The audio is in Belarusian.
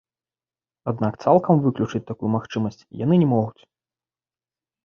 Аднак цалкам выключыць такую магчымасць яны не могуць.